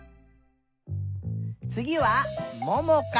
つぎはももか。